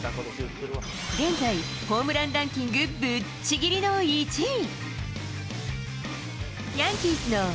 現在ホームランランキングぶっちぎりの１位。